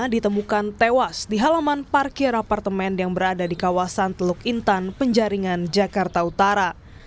ditemukan tewas di halaman parkir apartemen yang berada di kawasan teluk intan penjaringan jakarta utara